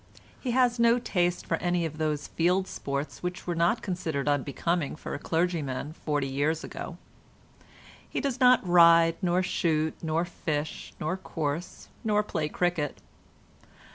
He has no taste for any of those field sports which were not considered unbecoming for a clergyman forty years ago. He does not ride, nor shoot, nor fish, nor course, nor play cricket.